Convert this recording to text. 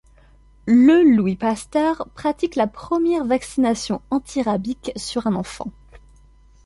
Le Louis Pasteur pratique la première vaccination antirabique sur un enfant.